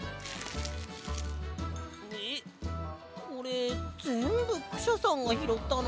えっこれぜんぶクシャさんがひろったの？